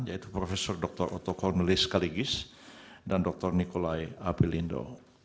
yaitu prof dr otto kornelis kaligis dan dr nikolai apelindo